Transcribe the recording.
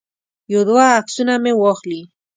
یو دوه عکسونه مې واخلي.